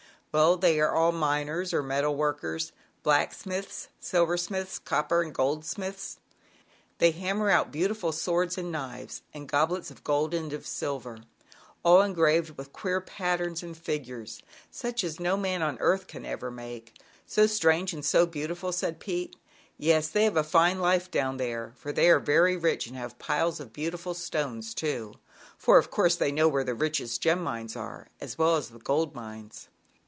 "Well, they are all miners or metal workers; blacksmiths, silversmiths, cop per and goldsmiths. They hammer out beautiful swords and knives, and goblets of gold and of silver all en graved with queer patterns and figures, such as no man on earth can ever make so strange and so beautiful," said Pete. "Yes, they have a fine life down there, for they are very rich, and have piles of beautiful stones, too; for, of course, they know where the richest gem mines are, as well as the gold mines."